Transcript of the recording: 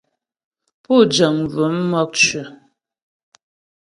Pú jəŋ bvʉ̂m mɔkcʉ̌.